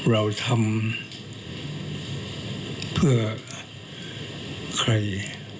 เราทำเพื่อใคร